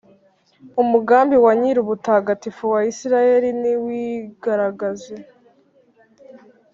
Umugambi wa Nyirubutagatifu wa Israheli niwigaragaze,